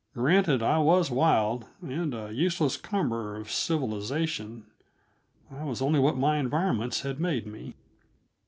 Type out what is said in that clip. Granted I was wild and a useless cumberer of civilization; I was only what my environments had made me.